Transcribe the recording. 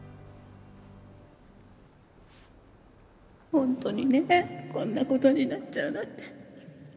本当にねこんな事になっちゃうなんて。